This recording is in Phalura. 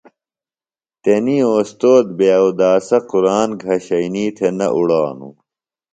تنی اوستوذ بے اوداسُو قُرآن گھشنیۡ تھےۡ نہ اُڑانُوۡ۔